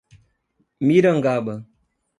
Mirangaba